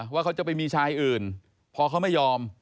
ว่าเขาจะไปมีชายอื่นพอเขาไม่ยอม